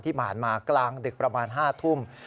ที่ผ่านมากลางดึกประมาณ๕ทุ่ม